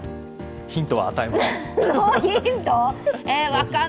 ヒントは与えません。